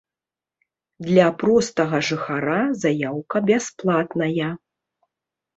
Для простага жыхара заяўка бясплатная.